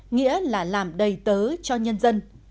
nghĩa là làm đầy tớ cho nhân dân